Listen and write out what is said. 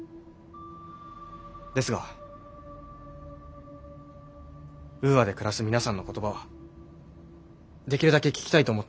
ですがウーアで暮らす皆さんの言葉はできるだけ聞きたいと思っています。